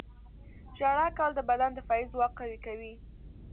• ژړا کول د بدن دفاعي ځواک قوي کوي.